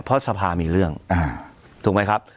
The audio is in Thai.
เพราะสภามีเรื่องถูกไหมครับ